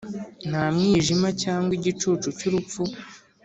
nta mwijima cyangwa igicucu cy’urupfu